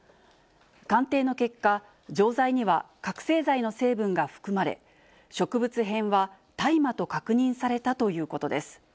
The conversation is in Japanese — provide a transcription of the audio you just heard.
鑑定の結果、錠剤には覚醒剤の成分が含まれ、植物片は大麻と確認されたということです。